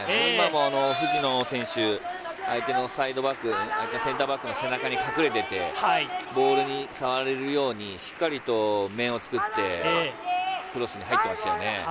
今も藤野選手、相手のサイドバック、センターバックの背中に隠れていて、ボールに触れるように、しっかりと面を作って、クロスに入ってましたよね。